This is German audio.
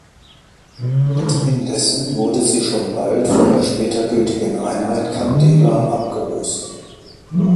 Indessen wurde sie schon bald von der später gültigen Einheit Candela abgelöst.